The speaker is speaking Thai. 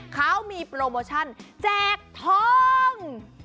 เขามีโปรโมชั่นแจกทอง